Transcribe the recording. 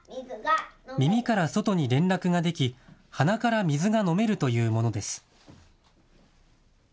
耳から外に連絡ができ、鼻から水が飲めるというものです。